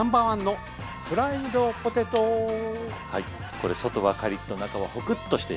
これ外はカリッと中はホクッとしています。